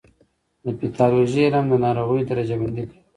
د پیتالوژي علم د ناروغیو درجه بندي کوي.